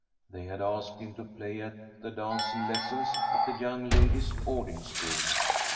They had asked him to play at the dancing lessons at the young ladies' boarding school.